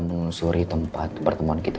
menelusuri tempat pertemuan kita